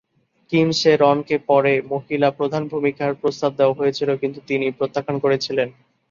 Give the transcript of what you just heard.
Kim সে-রনকে পরে মহিলা প্রধান ভূমিকার প্রস্তাব দেওয়া হয়েছিল, কিন্তু তিনি প্রত্যাখ্যান করেছিলেন।